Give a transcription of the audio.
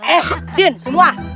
eh din semua